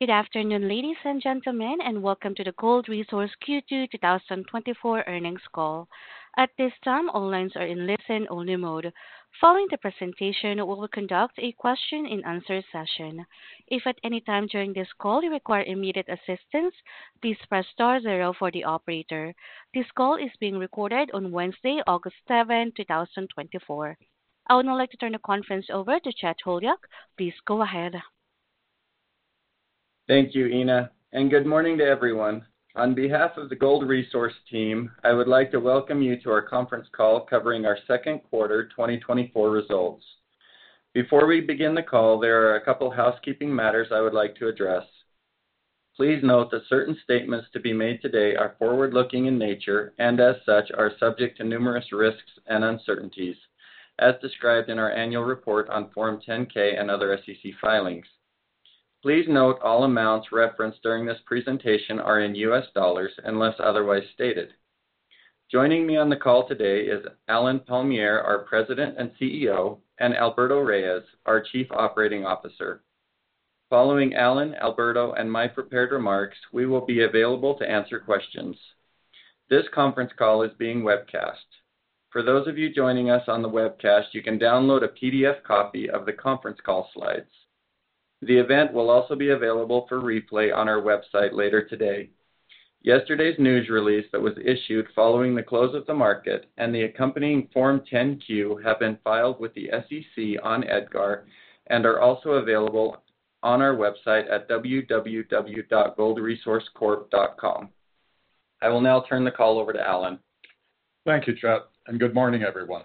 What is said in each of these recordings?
Good afternoon, ladies and gentlemen, and welcome to the Gold Resource Q2 2024 earnings call. At this time, all lines are in listen-only mode. Following the presentation, we will conduct a question-and-answer session. If at any time during this call you require immediate assistance, please press star zero for the operator. This call is being recorded on Wednesday, August 7, 2024. I would now like to turn the conference over to Chet Holyoak. Please go ahead. Thank you, Ina, and good morning to everyone. On behalf of the Gold Resource team, I would like to welcome you to our conference call covering our second quarter 2024 results. Before we begin the call, there are a couple of housekeeping matters I would like to address. Please note that certain statements to be made today are forward-looking in nature and as such, are subject to numerous risks and uncertainties, as described in our annual report on Form 10-K and other SEC filings. Please note all amounts referenced during this presentation are in US dollars, unless otherwise stated. Joining me on the call today is Allen Palmiere, our President and CEO, and Alberto Reyes, our Chief Operating Officer. Following Allen, Alberto and my prepared remarks, we will be available to answer questions. This conference call is being webcast. For those of you joining us on the webcast, you can download a PDF copy of the conference call slides. The event will also be available for replay on our website later today. Yesterday's news release that was issued following the close of the market and the accompanying Form 10-Q have been filed with the SEC on EDGAR and are also available on our website at www.goldresourcecorp.com. I will now turn the call over to Allen. Thank you, Chet, and good morning, everyone.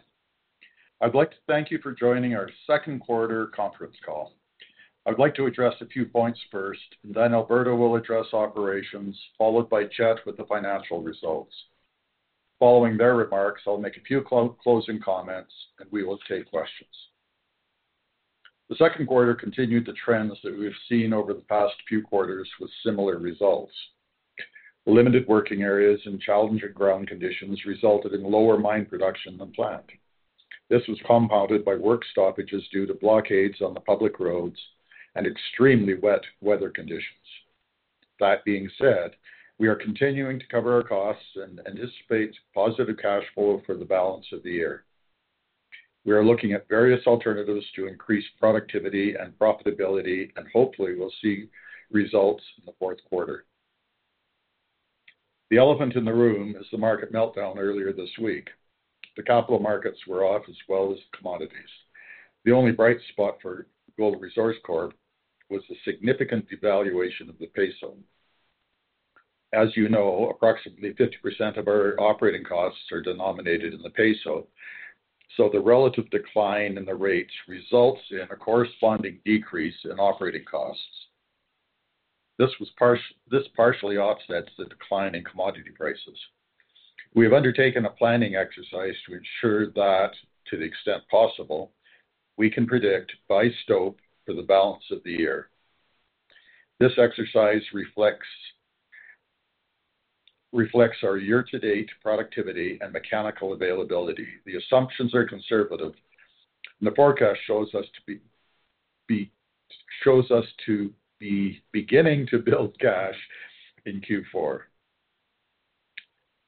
I'd like to thank you for joining our second quarter conference call. I'd like to address a few points first, and then Alberto will address operations, followed by Chet with the financial results. Following their remarks, I'll make a few closing comments and we will take questions. The second quarter continued the trends that we've seen over the past few quarters with similar results. Limited working areas and challenging ground conditions resulted in lower mine production than planned. This was compounded by work stoppages due to blockades on the public roads and extremely wet weather conditions. That being said, we are continuing to cover our costs and anticipate positive cash flow for the balance of the year. We are looking at various alternatives to increase productivity and profitability, and hopefully we'll see results in the fourth quarter. The elephant in the room is the market meltdown earlier this week. The capital markets were off, as well as commodities. The only bright spot for Gold Resource Corp was the significant devaluation of the peso. As you know, approximately 50% of our operating costs are denominated in the peso, so the relative decline in the rates results in a corresponding decrease in operating costs. This partially offsets the decline in commodity prices. We have undertaken a planning exercise to ensure that, to the extent possible, we can predict by stope for the balance of the year. This exercise reflects our year-to-date productivity and mechanical availability. The assumptions are conservative, and the forecast shows us to be beginning to build cash in Q4.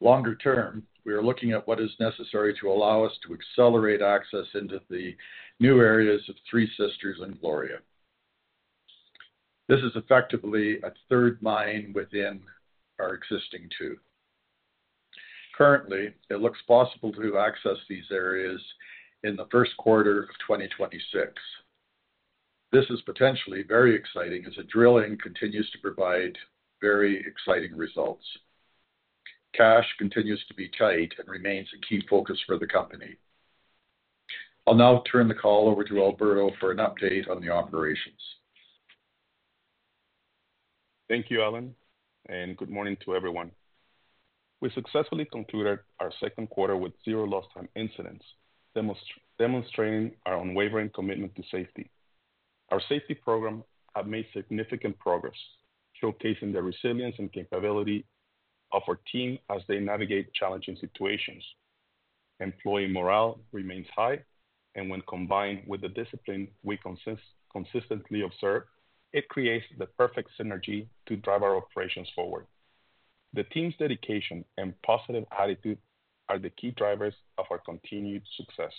Longer term, we are looking at what is necessary to allow us to accelerate access into the new areas of Three Sisters and Gloria. This is effectively a third mine within our existing two. Currently, it looks possible to access these areas in the first quarter of 2026. This is potentially very exciting as the drilling continues to provide very exciting results. Cash continues to be tight and remains a key focus for the company. I'll now turn the call over to Alberto for an update on the operations. Thank you, Allen, and good morning to everyone. We successfully concluded our second quarter with zero lost time incidents, demonstrating our unwavering commitment to safety. Our safety program have made significant progress, showcasing the resilience and capability of our team as they navigate challenging situations. Employee morale remains high, and when combined with the discipline we consistently observe, it creates the perfect synergy to drive our operations forward. The team's dedication and positive attitude are the key drivers of our continued success.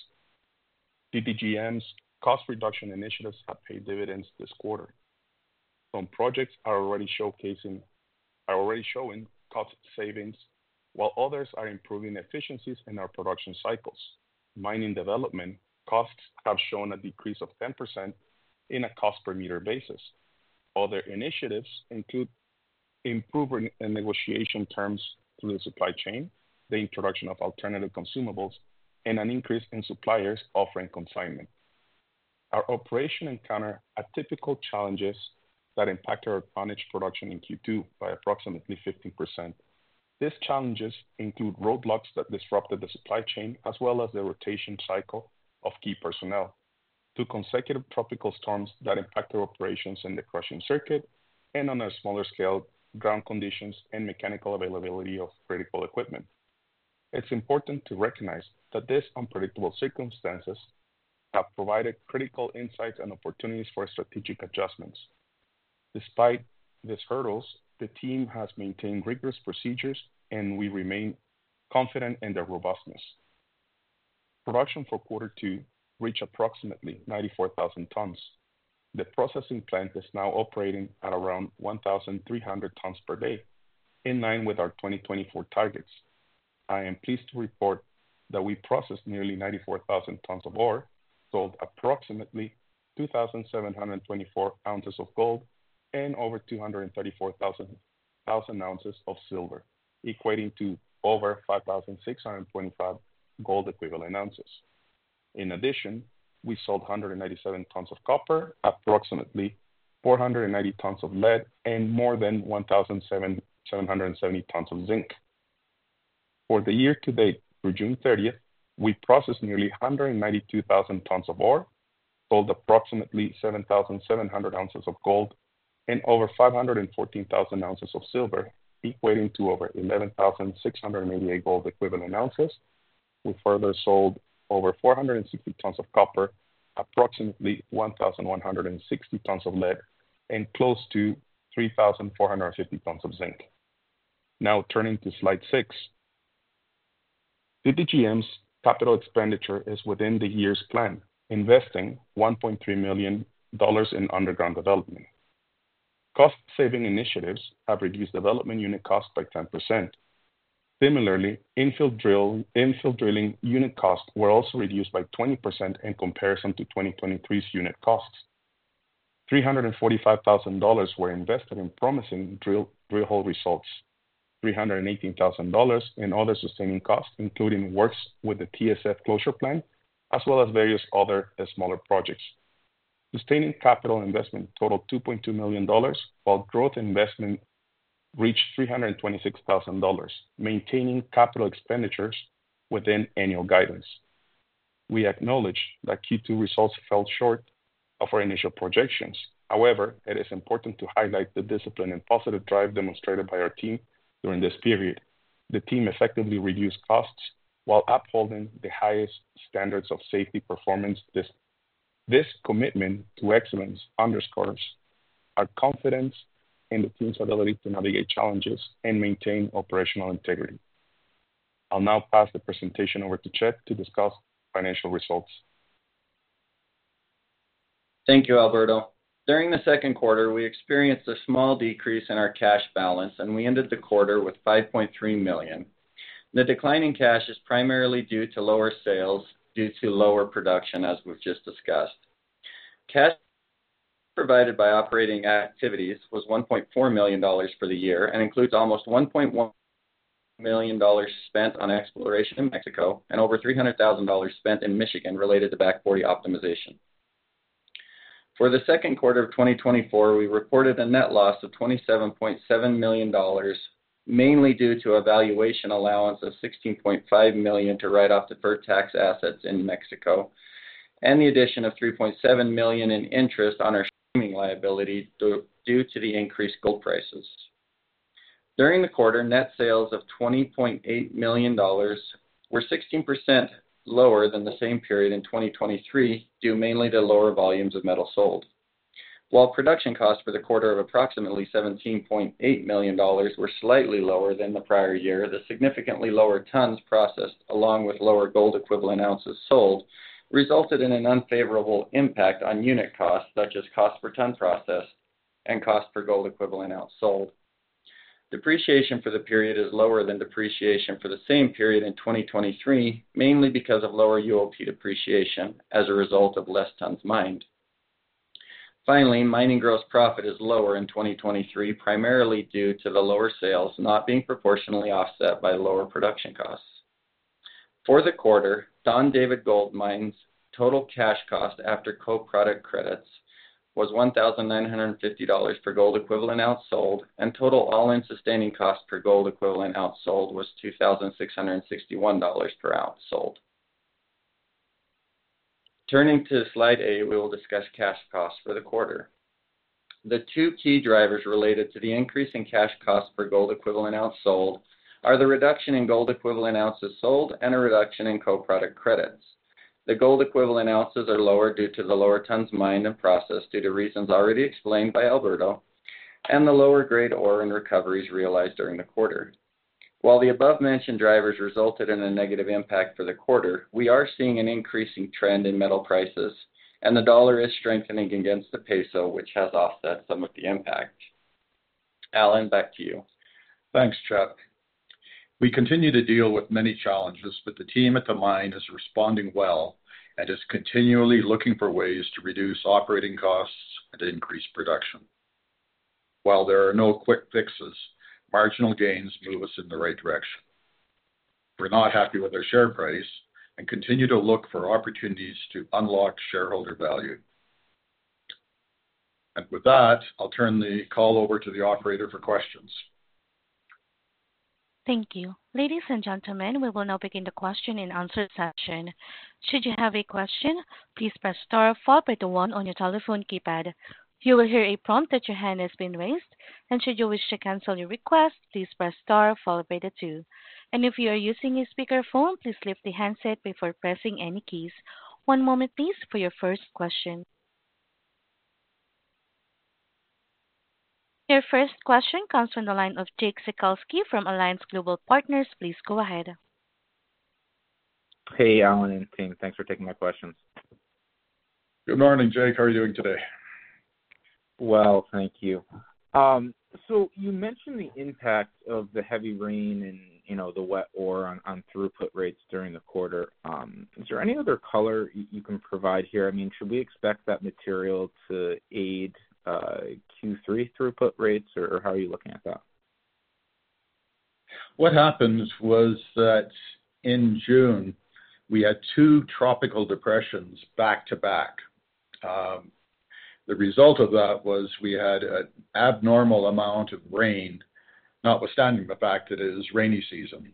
DDGM's cost reduction initiatives have paid dividends this quarter. Some projects are already showcasing... are already showing cost savings, while others are improving efficiencies in our production cycles. Mining development costs have shown a decrease of 10% in a cost per meter basis. Other initiatives include improving and negotiation terms through the supply chain, the introduction of alternative consumables, and an increase in suppliers offering consignment. Our operation encounter a typical challenges that impacted our tonnage production in Q2 by approximately 50%. These challenges include roadblocks that disrupted the supply chain, as well as the rotation cycle of key personnel, two consecutive tropical storms that impacted operations in the crushing circuit, and on a smaller scale, ground conditions and mechanical availability of critical equipment. It's important to recognize that these unpredictable circumstances have provided critical insights and opportunities for strategic adjustments. Despite these hurdles, the team has maintained rigorous procedures, and we remain confident in their robustness. Production for quarter two reached approximately 94,000 tons. The processing plant is now operating at around 1,300 tons per day, in line with our 2024 targets. I am pleased to report that we processed nearly 94,000 tons of ore, sold approximately 2,724 ounces of gold, and over 234,000 ounces of silver, equating to over 5,625 gold equivalent ounces. In addition, we sold one hundred and ninety-seven tons of copper, approximately 490 tons of lead, and more than 1,770 tons of zinc. For the year to date, through June thirtieth, we processed nearly 192,000 tons of ore, sold approximately 7,700 ounces of gold, and over 514,000 ounces of silver, equating to over 11,688 gold equivalent ounces. We further sold over 460 tons of copper, approximately 1,160 tons of lead, and close to 3,450 tons of zinc. Now, turning to slide 6. DDGM's capital expenditure is within the year's plan, investing $1.3 million in underground development. Cost-saving initiatives have reduced development unit costs by 10%. Similarly, infill drilling unit costs were also reduced by 20% in comparison to 2023's unit costs. $345,000 were invested in promising drill hole results. $318,000 in other sustaining costs, including works with the TSF closure plan, as well as various other smaller projects. Sustaining capital investment totaled $2.2 million, while growth investment reached $326,000, maintaining capital expenditures within annual guidance. We acknowledge that Q2 results fell short of our initial projections. However, it is important to highlight the discipline and positive drive demonstrated by our team during this period. The team effectively reduced costs while upholding the highest standards of safety performance. This commitment to excellence underscores our confidence in the team's ability to navigate challenges and maintain operational integrity. I'll now pass the presentation over to Chet to discuss financial results. Thank you, Alberto. During the second quarter, we experienced a small decrease in our cash balance, and we ended the quarter with $5.3 million. The decline in cash is primarily due to lower sales, due to lower production, as we've just discussed. Cash provided by operating activities was $1.4 million for the year and includes almost $1.1 million spent on exploration in Mexico and over $300,000 spent in Michigan related to Back Forty optimization. For the second quarter of 2024, we reported a net loss of $27.7 million, mainly due to a valuation allowance of $16.5 million to write off deferred tax assets in Mexico, and the addition of $3.7 million in interest on our streaming liability due, due to the increased gold prices. During the quarter, net sales of $20.8 million were 16% lower than the same period in 2023, due mainly to lower volumes of metal sold. While production costs for the quarter of approximately $17.8 million were slightly lower than the prior year, the significantly lower tons processed, along with lower gold equivalent ounces sold, resulted in an unfavorable impact on unit costs, such as cost per ton processed and cost per gold equivalent ounce sold. Depreciation for the period is lower than depreciation for the same period in 2023, mainly because of lower UOP depreciation as a result of less tons mined. Finally, mining gross profit is lower in 2023, primarily due to the lower sales not being proportionally offset by lower production costs. For the quarter, Don David Gold Mine's total cash cost after co-product credits was $1,950 per gold equivalent ounce sold, and total all-in sustaining cost per gold equivalent ounce sold was $2,661 per ounce sold. Turning to Slide 8, we will discuss cash costs for the quarter. The two key drivers related to the increase in cash cost per gold equivalent ounce sold are the reduction in gold equivalent ounces sold and a reduction in co-product credits. The gold equivalent ounces are lower due to the lower tons mined and processed, due to reasons already explained by Alberto, and the lower-grade ore and recoveries realized during the quarter. While the above-mentioned drivers resulted in a negative impact for the quarter, we are seeing an increasing trend in metal prices, and the dollar is strengthening against the peso, which has offset some of the impact. Allen, back to you. Thanks, Chet. We continue to deal with many challenges, but the team at the mine is responding well and is continually looking for ways to reduce operating costs and increase production. While there are no quick fixes, marginal gains move us in the right direction. We're not happy with our share price and continue to look for opportunities to unlock shareholder value. And with that, I'll turn the call over to the operator for questions. Thank you. Ladies and gentlemen, we will now begin the question and answer session. Should you have a question, please press star followed by the one on your telephone keypad. You will hear a prompt that your hand has been raised, and should you wish to cancel your request, please press star followed by the two. If you are using a speakerphone, please lift the handset before pressing any keys.... One moment please, for your first question. Your first question comes from the line of Jake Sekelsky from Alliance Global Partners. Please go ahead. Hey, Allen and team. Thanks for taking my questions. Good morning, Jake. How are you doing today? Well, thank you. So you mentioned the impact of the heavy rain and, you know, the wet ore on throughput rates during the quarter. Is there any other color you can provide here? I mean, should we expect that material to aid Q3 throughput rates, or how are you looking at that? What happened was that in June, we had two tropical depressions back-to-back. The result of that was we had an abnormal amount of rain, notwithstanding the fact that it is rainy season.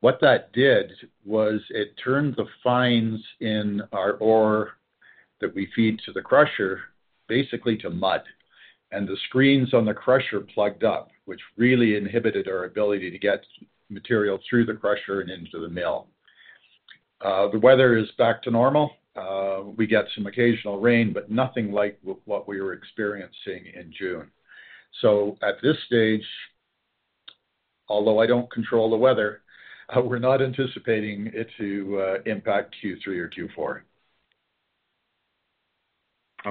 What that did was it turned the fines in our ore that we feed to the crusher, basically to mud, and the screens on the crusher plugged up, which really inhibited our ability to get material through the crusher and into the mill. The weather is back to normal. We get some occasional rain, but nothing like what we were experiencing in June. So at this stage, although I don't control the weather, we're not anticipating it to impact Q3 or Q4.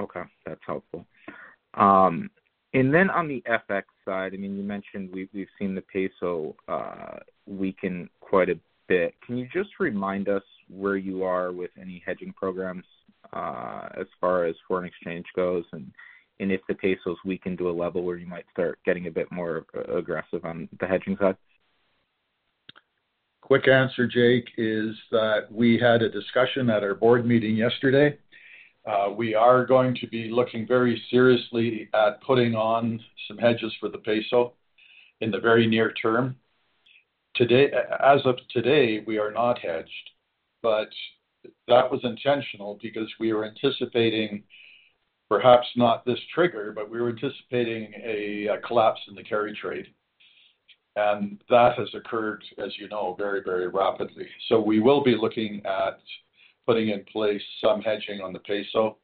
Okay, that's helpful. And then on the FX side, I mean, you mentioned we've, we've seen the peso weaken quite a bit. Can you just remind us where you are with any hedging programs, as far as foreign exchange goes? And, and if the peso is weakened to a level where you might start getting a bit more aggressive on the hedging side? Quick answer, Jake, is that we had a discussion at our board meeting yesterday. We are going to be looking very seriously at putting on some hedges for the peso in the very near term. Today, as of today, we are not hedged, but that was intentional because we were anticipating, perhaps not this trigger, but we were anticipating a collapse in the carry trade, and that has occurred, as you know, very, very rapidly. So we will be looking at putting in place some hedging on the peso.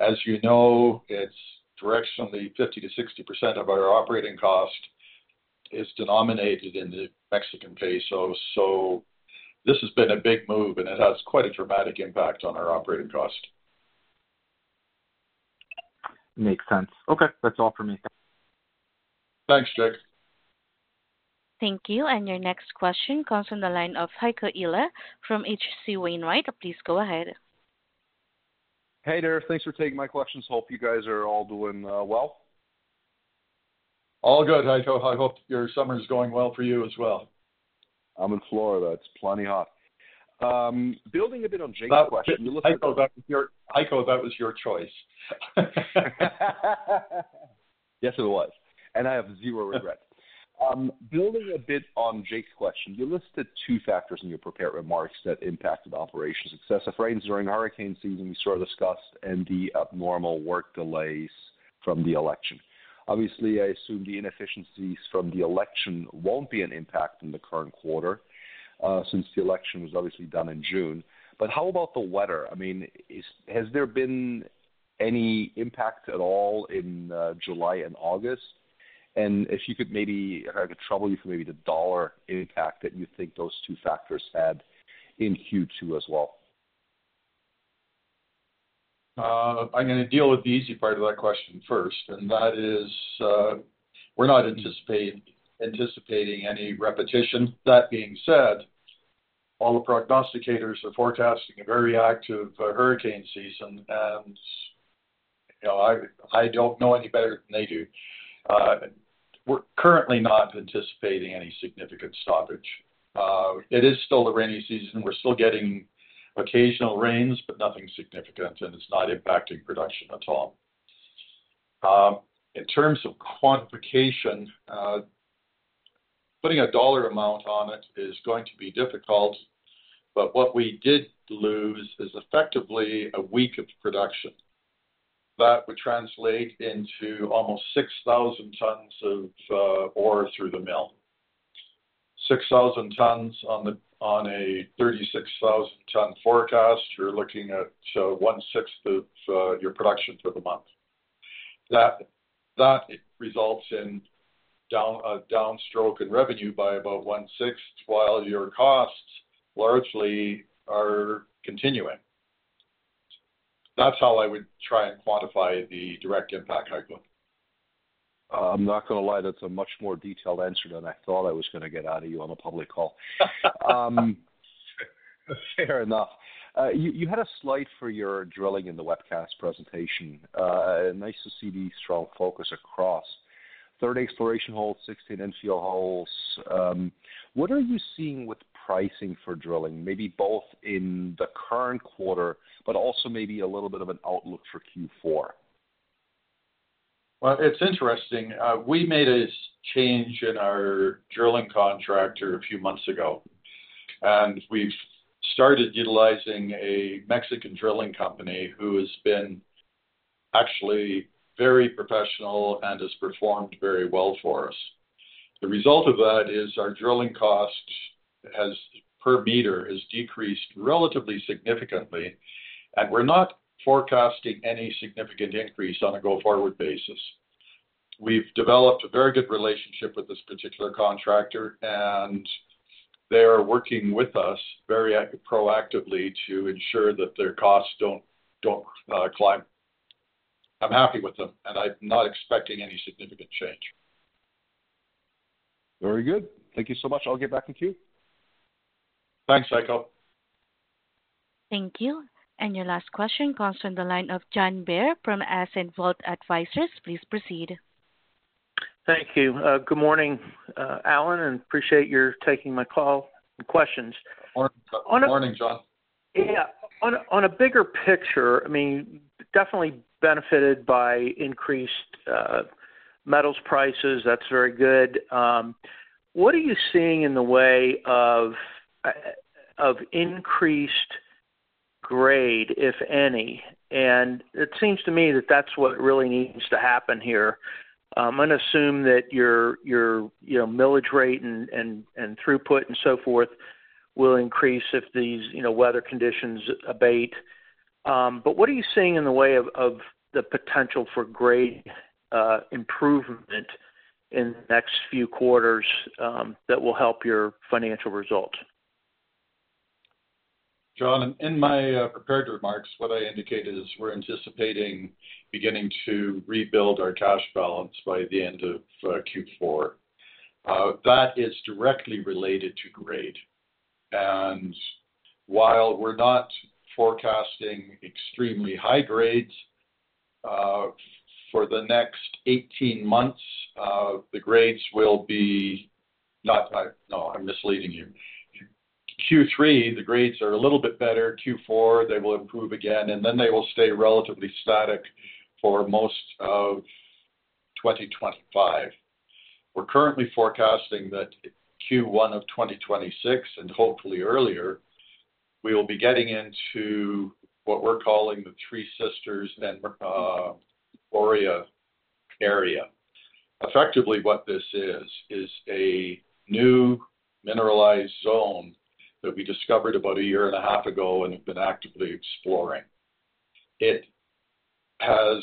As you know, it's directionally 50%-60% of our operating cost is denominated in the Mexican peso, so this has been a big move, and it has quite a dramatic impact on our operating cost. Makes sense. Okay, that's all for me. Thanks, Jake. Thank you, and your next question comes from the line of Heiko Ihle from H.C. Wainwright. Please go ahead. Hey there. Thanks for taking my questions. Hope you guys are all doing well. All good, Heiko. I hope your summer is going well for you as well. I'm in Florida. It's plenty hot. Building a bit on Jake's question- Heiko, that was your choice. Yes, it was, and I have zero regrets. Building a bit on Jake's question, you listed two factors in your prepared remarks that impacted operation success, the rains during hurricane season, you sort of discussed, and the abnormal work delays from the election. Obviously, I assume the inefficiencies from the election won't be an impact in the current quarter, since the election was obviously done in June. But how about the weather? I mean, has there been any impact at all in July and August? And if you could maybe, or I could trouble you for maybe the dollar impact that you think those two factors had in Q2 as well. I'm gonna deal with the easy part of that question first, and that is, we're not anticipating any repetition. That being said, all the prognosticators are forecasting a very active hurricane season, and, you know, I don't know any better than they do. We're currently not anticipating any significant stoppage. It is still the rainy season. We're still getting occasional rains, but nothing significant, and it's not impacting production at all. In terms of quantification, putting a dollar amount on it is going to be difficult, but what we did lose is effectively a week of production. That would translate into almost 6,000 tons of ore through the mill. 6,000 tons on a 36,000-ton forecast, you're looking at one sixth of your production for the month. That results in down... a downstroke in revenue by about 1/6, while your costs largely are continuing. That's how I would try and quantify the direct impact, Heiko. I'm not gonna lie, that's a much more detailed answer than I thought I was gonna get out of you on a public call. Fair enough. You, you had a slide for your drilling in the webcast presentation. Nice to see the strong focus across. 30 exploration holes, 16 infill holes, what are you seeing with pricing for drilling? Maybe both in the current quarter, but also maybe a little bit of an outlook for Q4. Well, it's interesting. We made a change in our drilling contractor a few months ago, and we've started utilizing a Mexican drilling company who has been actually very professional and has performed very well for us. The result of that is our drilling cost has, per meter, decreased relatively significantly, and we're not forecasting any significant increase on a go-forward basis. We've developed a very good relationship with this particular contractor, and they are working with us very proactively to ensure that their costs don't climb. I'm happy with them, and I'm not expecting any significant change. Very good. Thank you so much. I'll get back in queue. Thanks, Heiko. Thank you. And your last question comes from the line of John Bair from Ascend Wealth Advisors. Please proceed. Thank you. Good morning, Allen, and appreciate your taking my call and questions. Morning, John. Yeah. On a bigger picture, I mean, definitely benefited by increased metals prices. That's very good. What are you seeing in the way of increased grade, if any? And it seems to me that that's what really needs to happen here. I'm gonna assume that your you know, milling rate and throughput and so forth, will increase if these you know, weather conditions abate. But what are you seeing in the way of the potential for grade improvement in the next few quarters that will help your financial result? John, in my prepared remarks, what I indicated is we're anticipating beginning to rebuild our cash balance by the end of Q4. That is directly related to grade. And while we're not forecasting extremely high grades for the next 18 months, the grades will be not... No, I'm misleading you. Q3, the grades are a little bit better. Q4, they will improve again, and then they will stay relatively static for most of 2025. We're currently forecasting that Q1 of 2026, and hopefully earlier, we will be getting into what we're calling the Three Sisters then Gloria area. Effectively, what this is, is a new mineralized zone that we discovered about a year and a half ago and have been actively exploring. It has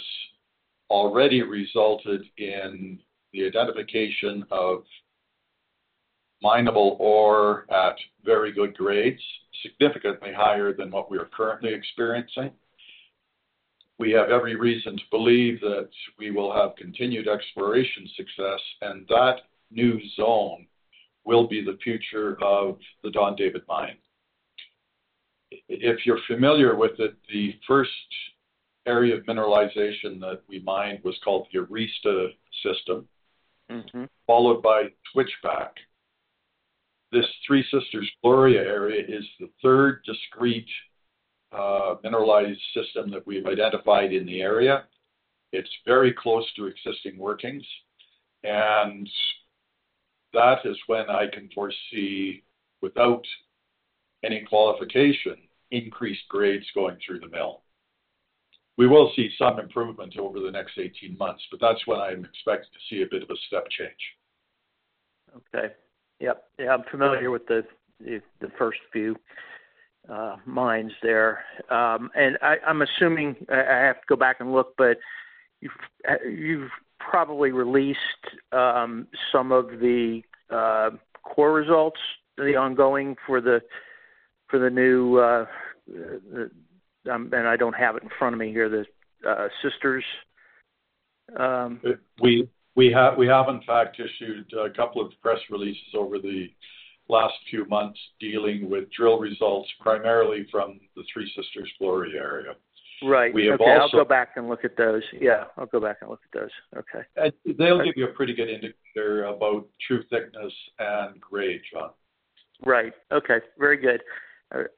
already resulted in the identification of minable ore at very good grades, significantly higher than what we are currently experiencing. We have every reason to believe that we will have continued exploration success, and that new zone will be the future of the Don David mine. If you're familiar with it, the first area of mineralization that we mined was called the Arista system. Mm-hmm. Followed by Switchback. This Three Sisters Gloria area is the third discrete, mineralized system that we've identified in the area. It's very close to existing workings, and that is when I can foresee, without any qualification, increased grades going through the mill. We will see some improvement over the next 18 months, but that's when I'm expecting to see a bit of a step change. Okay. Yep. Yeah, I'm familiar with the first few mines there. And I'm assuming I have to go back and look, but you've probably released some of the core results, the ongoing for the new, and I don't have it in front of me here, the Sisters. We have in fact issued a couple of press releases over the last few months dealing with drill results, primarily from the Three Sisters Gloria area. Right. We have also- Okay, I'll go back and look at those. Yeah, I'll go back and look at those. Okay. They'll give you a pretty good indicator about true thickness and grade, John. Right. Okay, very good. All right,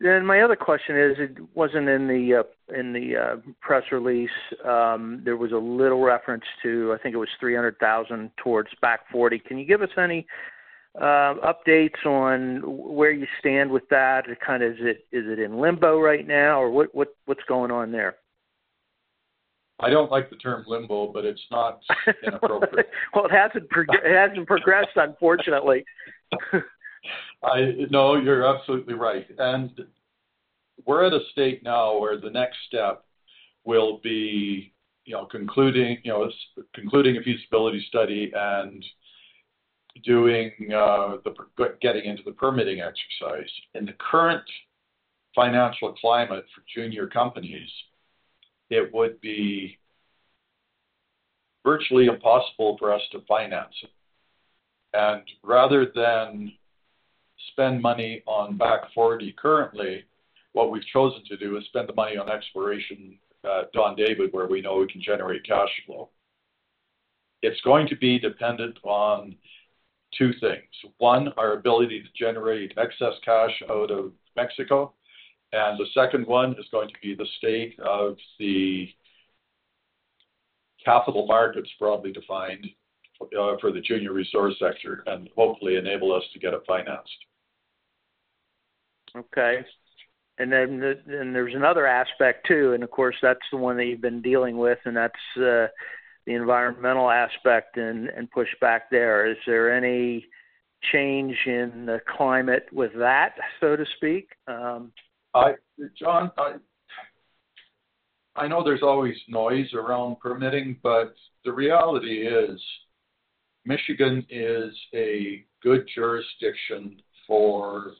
then my other question is, it wasn't in the press release. There was a little reference to, I think it was $300,000 towards Back Forty. Can you give us any updates on where you stand with that? Or kind of, is it in limbo right now, or what, what's going on there? I don't like the term limbo, but it's not inappropriate. Well, it hasn't progressed, unfortunately. No, you're absolutely right. And we're at a state now where the next step will be, you know, concluding, you know, concluding a feasibility study and getting into the permitting exercise. In the current financial climate for junior companies, it would be virtually impossible for us to finance it. And rather than spend money on Back Forty currently, what we've chosen to do is spend the money on exploration at Don David, where we know we can generate cash flow. It's going to be dependent on two things. One, our ability to generate excess cash out of Mexico, and the second one is going to be the state of the capital markets, broadly defined, for the junior resource sector, and hopefully enable us to get it financed.... Okay. And then, and there's another aspect, too, and of course, that's the one that you've been dealing with, and that's the environmental aspect and pushback there. Is there any change in the climate with that, so to speak? John, I know there's always noise around permitting, but the reality is, Michigan is a good jurisdiction for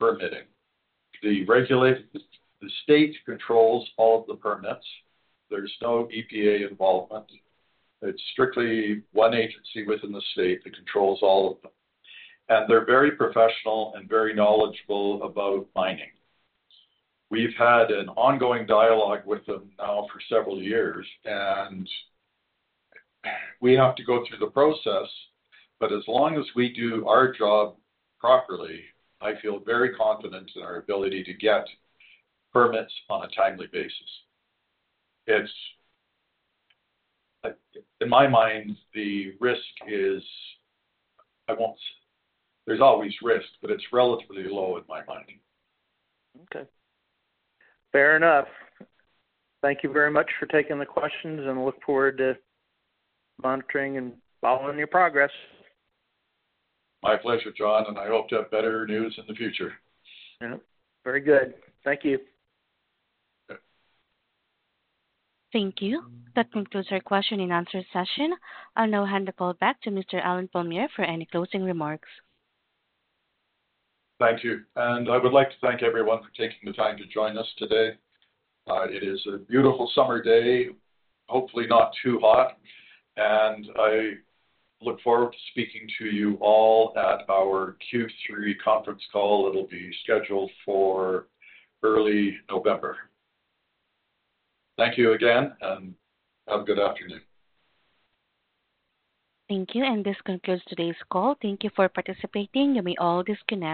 permitting. The state controls all of the permits. There's no EPA involvement. It's strictly one agency within the state that controls all of them, and they're very professional and very knowledgeable about mining. We've had an ongoing dialogue with them now for several years, and we have to go through the process, but as long as we do our job properly, I feel very confident in our ability to get permits on a timely basis. It's in my mind, the risk is. There's always risk, but it's relatively low in my mind. Okay. Fair enough. Thank you very much for taking the questions, and I look forward to monitoring and following your progress. My pleasure, John, and I hope to have better news in the future. Yep. Very good. Thank you. Okay. Thank you. That concludes our question and answer session. I'll now hand the call back to Mr. Allen Palmiere for any closing remarks. Thank you. I would like to thank everyone for taking the time to join us today. It is a beautiful summer day, hopefully not too hot, and I look forward to speaking to you all at our Q3 conference call. It'll be scheduled for early November. Thank you again, and have a good afternoon. Thank you, and this concludes today's call. Thank you for participating. You may all disconnect.